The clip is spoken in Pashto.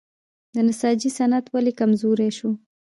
د نساجي صنعت ولې کمزوری شو؟